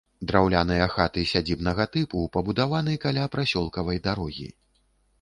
Драўляныя хаты сядзібнага тыпу пабудаваны каля прасёлкавай дарогі.